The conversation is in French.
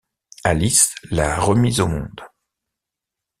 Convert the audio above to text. Alice l’a remis au monde.